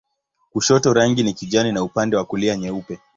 Kushoto rangi ni kijani na upande wa kulia nyeupe.